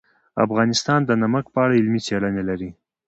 افغانستان د نمک په اړه علمي څېړنې لري.